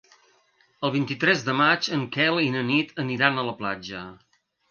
El vint-i-tres de maig en Quel i na Nit aniran a la platja.